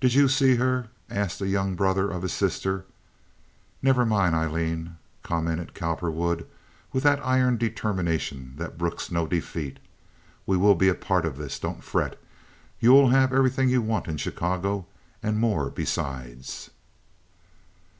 "Did you see her?" asked a young brother of his sister. "Never mind, Aileen," commented Cowperwood, with that iron determination that brooks no defeat. "We will be a part of this. Don't fret. You will have everything you want in Chicago, and more besides."